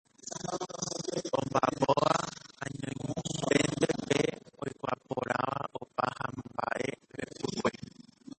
Omba'apóva añoiténte pe oikuaaporãva opa mba'e repykue.